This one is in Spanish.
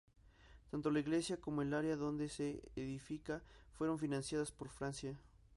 Tanto la iglesia como el área donde se edifica fueron financiadas por Francia.